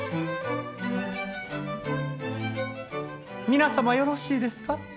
皆様よろしいですか？